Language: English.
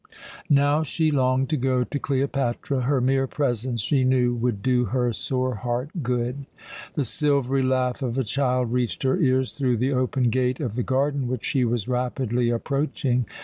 Now she longed to go to Cleopatra. Her mere presence, she knew, would do her sore heart good. The silvery laugh of a child reached her ears through the open gate of the garden which she was rapidly approaching.